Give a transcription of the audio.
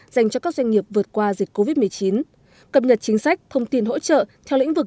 hỗ trợ doanh nghiệp vượt qua covid một mươi chín cập nhật chính sách thông tin hỗ trợ theo lĩnh vực